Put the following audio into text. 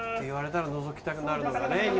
言われたらのぞきたくなるのがね。